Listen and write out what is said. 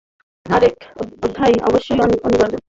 আরেক অধ্যায় অবশ্যই অনিবার্য।